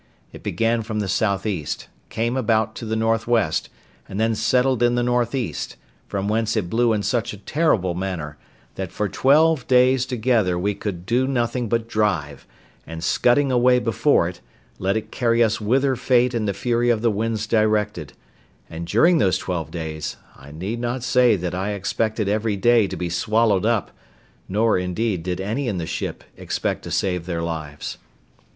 It began from the south east, came about to the north west, and then settled in the north east; from whence it blew in such a terrible manner, that for twelve days together we could do nothing but drive, and, scudding away before it, let it carry us whither fate and the fury of the winds directed; and, during these twelve days, I need not say that I expected every day to be swallowed up; nor, indeed, did any in the ship expect to save their lives.